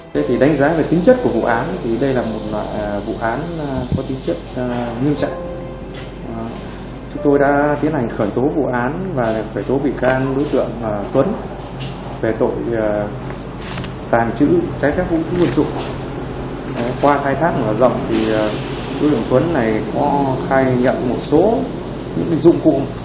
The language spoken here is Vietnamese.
qua khai thác và dòng thì đối tượng tuấn này có khai nhận một số những dụng cụ